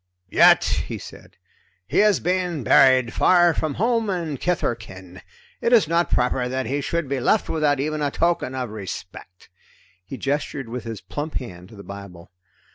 "Yet," he said, "he is being buried far from home and kith or kin. It is not proper that he should be left without even a token of respect." He gestured with his plump hand to the Bible.